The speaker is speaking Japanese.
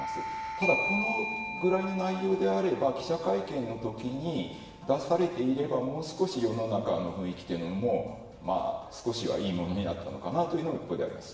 ただこのくらいの内容であれば記者会見のときに出されていれば、もう少し世の中の雰囲気というのも少しはいいものになったのかなというふうに思います。